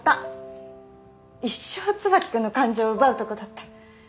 一生椿君の感情奪うとこだった。